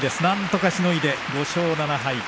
なんとかしのいで５勝７敗。